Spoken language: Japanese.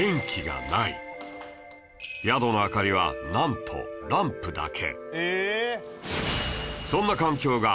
宿の明かりはなんとランプだけ